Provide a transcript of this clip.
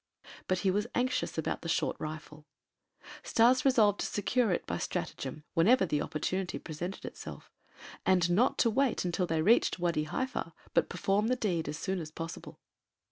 But he was anxious about the short rifle. Stas resolved to secure it by stratagem, whenever the opportunity presented itself, and not to wait until they reached Wâdi Haifa, but perform the deed as soon as possible.